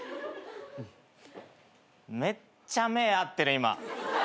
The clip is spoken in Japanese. めっちゃ目合ってる今。